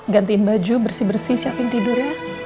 gantiin baju bersih bersih siapin tidur ya